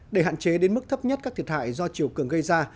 để hạn chế đến mức thấp nhất các thiệt hại do chiều cường gây ra